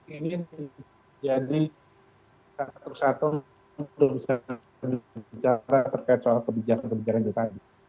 ingin jadi satu satu untuk bisa berbicara terkait soal kebijakan kebijakan kita